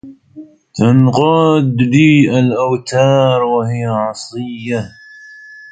تنقاد لي الأوتار وهي عصية